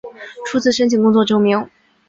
初次申请工作证明